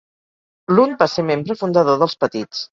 Lund va ser membre fundador dels petits.